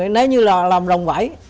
nếu như làm rồng vải